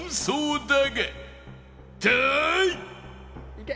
いけ。